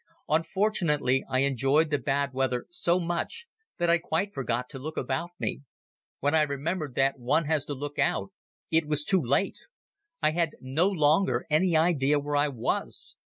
Unfortunately I enjoyed the bad weather so much that I quite forgot to look about me. When I remembered that one has to look out it was too late. I had no longer any idea where I was.